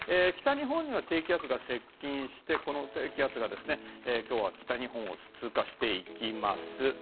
北日本には低気圧が接近してこの低気圧が今日は北日本を通過していきます。